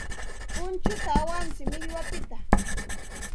Punchuta awantsik millwapiqta.